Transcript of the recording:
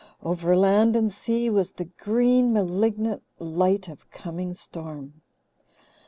Over land and sea was "the green, malignant light of coming storm."